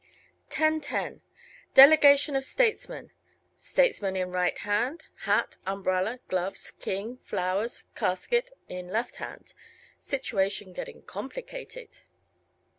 10:10 Delegation of statesmen. Statesmen in right hand. Hat, umbrella, gloves, King, flowers, casket in left hand. Situation getting complicated.